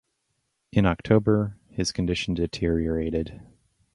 In October, his condition deteriorated.